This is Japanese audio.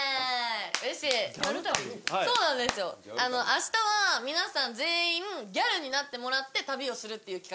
あしたは皆さん全員ギャルになってもらって旅をするっていう企画です。